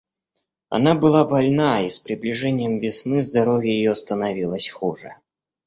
Она была больна, и с приближением весны здоровье ее становилось хуже.